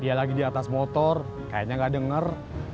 dia lagi di atas motor kayaknya gak denger